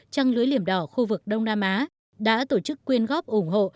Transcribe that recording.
trăng lưỡi liềm đỏ khu vực đông nam á đã tổ chức quyên góp ủng hộ